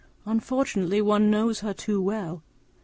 Unfortunately, one knows her too well.